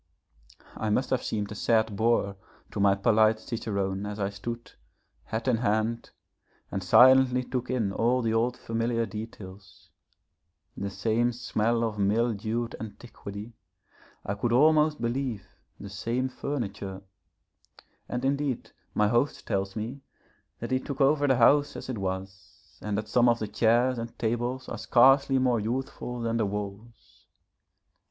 I must have seemed a sad boor to my polite cicerone as I stood, hat in hand, and silently took in all the old familiar details. The same smell of mildewed antiquity, I could almost believe the same furniture. And indeed my host tells me that he took over the house as it was, and that some of the chairs and tables are scarcely more youthful than the walls.